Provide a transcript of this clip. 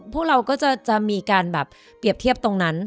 พวกเราก็จะมีการแบบเปรียบเทียบตรงนั้น